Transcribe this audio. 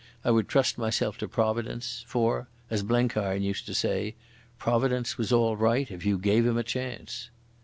I would trust myself to Providence, for, as Blenkiron used to say, Providence was all right if you gave him a chance.